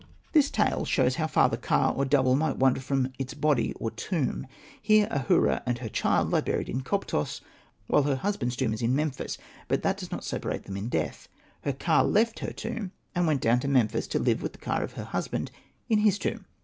This tale shows how far the ka or double might wander from its body or tomb. Here Ahura and her child lie buried at Koptos, while her husband's tomb is at Memphis. But that does not separate them in death ; her ka left her tomb and went down to Memphis to live with the ka of her husband in his tomb.